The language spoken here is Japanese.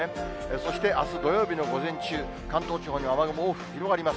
そしてあす土曜日の午前中、関東地方に雨雲多く広がります。